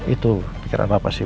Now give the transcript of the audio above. itu pikiran papa sih